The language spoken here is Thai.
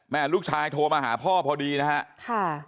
แม่ลูกชายโทรมาหาพ่อพอดีนะฮะค่ะ